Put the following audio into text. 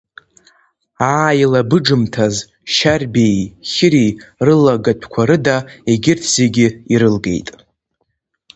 Ааилабыџымҭаз Шьарбеи Хьыри рылагатәқәа рыда егьырҭ зегьы ирылгеит.